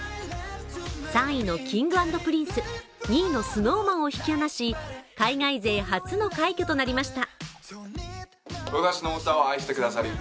３位のＫｉｎｇ＆Ｐｒｉｎｃｅ２位のＳｎｏｗＭａｎを引き離し海外勢初の快挙となりました。